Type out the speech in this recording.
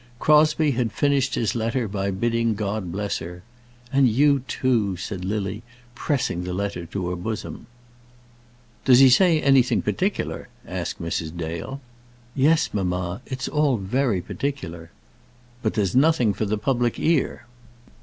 Crosbie had finished his letter by bidding God bless her; "And you too," said Lily, pressing the letter to her bosom. "Does he say anything particular?" asked Mrs. Dale. "Yes, mamma; it's all very particular." "But there's nothing for the public ear."